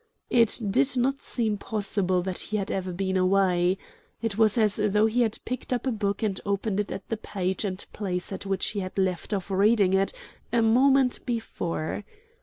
It did not seem possible that he had ever been away. It was as though he had picked up a book and opened it at the page and place at which he had left off reading it a moment before.